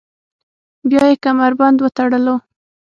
بیا یې کمربند وتړلو.